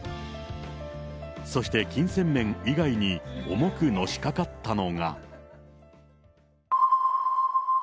そして金銭面以外に、重くのしかかったのが。